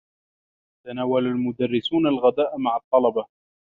تناول المدرّسون الغذاء مع الطّلبة.